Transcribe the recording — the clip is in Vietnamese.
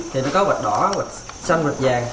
thì nó có vạch đỏ vạch xanh vạch vàng